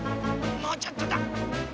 もうちょっとだ。